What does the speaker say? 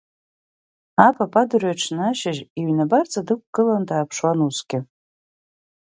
Апап адырҩаҽны ашьыжь иҩны абарҵа дықәгыланы дааԥшуан усгьы.